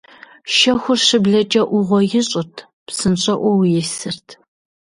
Шэхур щыблэкӀэ Ӏугъуэ ищӀырт, псынщӀэӀуэуи исырт.